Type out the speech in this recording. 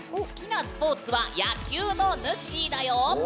好きなスポーツは野球のぬっしーだよ！